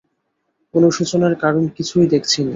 অনুশোচনার কারণ কিছুই দেখছি নে।